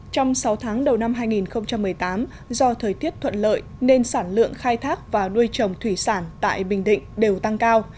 trong sáu tháng đầu năm hai nghìn một mươi tám do thời tiết thuận lợi nên sản lượng khai thác và nuôi trồng thủy sản tại bình định đều tăng cao